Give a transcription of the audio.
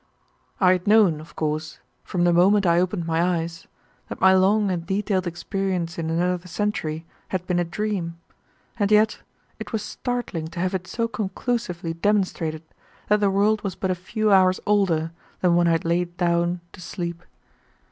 I had known, of course, from the moment I opened my eyes that my long and detailed experience in another century had been a dream, and yet it was startling to have it so conclusively demonstrated that the world was but a few hours older than when I had lain down to sleep.